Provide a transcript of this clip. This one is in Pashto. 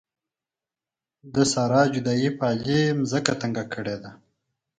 د سارې جدایۍ په علي باندې ځمکه تنګه کړې ده.